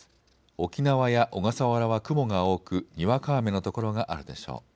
沖縄や小笠原は雲が多くにわか雨の所があるでしょう。